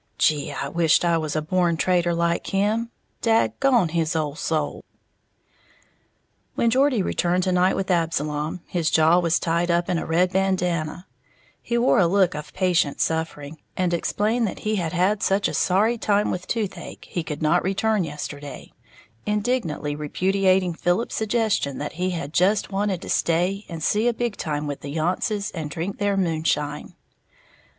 Gee, I wisht I was a born trader like him, dag gone his ole soul!" When Geordie returned to night with Absalom, his jaw was tied up in a red bandana, he wore a look of patient suffering, and explained that he had had such a sorry time with toothache he could not return yesterday, indignantly repudiating Philip's suggestion that he had just wanted to stay and see a big time with the Yontses and drink their moonshine.